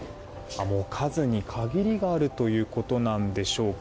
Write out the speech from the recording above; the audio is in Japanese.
数に限りがあるということなんでしょうか。